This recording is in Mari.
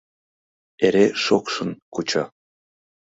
Эре шокшын кучо.